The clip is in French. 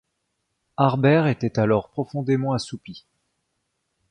Harbert était alors profondément assoupi.